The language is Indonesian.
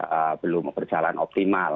sebagian juga belum berjalan optimal